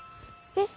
えっ？